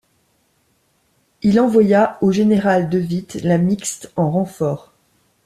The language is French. Il envoya au général de Witte la mixte en renfort.